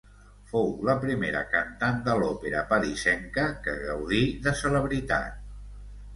Fou la primera cantant de l'Òpera parisenca que gaudi de celebritat.